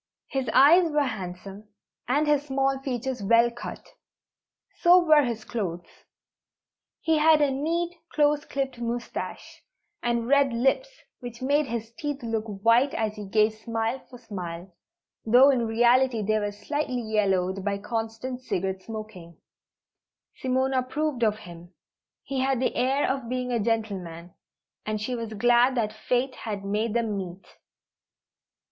His eyes were handsome, and his small features well cut; so were his clothes. He had a neat, close clipped moustache, and red lips which made his teeth look white as he gave smile for smile, though in reality they were slightly yellowed by constant cigarette smoking. Simone approved of him. He had the air of being a gentleman, and she was glad that fate had made them meet.